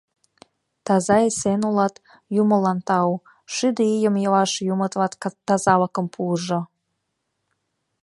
Таза-эсен улат, юмылан тау, шӱдӧ ийым илаш юмо тылат тазалыкым пуыжо.